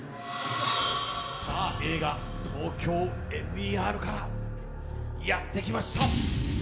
映画「ＴＯＫＹＯＭＥＲ」からやってきました。